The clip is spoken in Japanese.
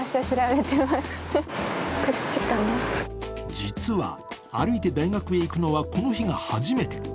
実は歩いて大学に行くのは、この日が初めて。